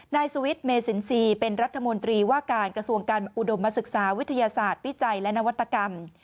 นายสุวิทย์เมสินทรีย์เป็นรัฐมนตรีว่าการกระทรวงการอุดมศึกษาวิทยาศาสตร์วิจัยและนวัตกรรม